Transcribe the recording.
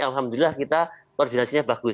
alhamdulillah kita koordinasinya bagus